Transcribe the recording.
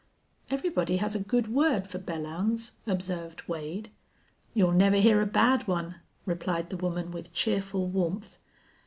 "Everybody has a good word for Belllounds," observed Wade. "You'll never hear a bad one," replied the woman, with cheerful warmth.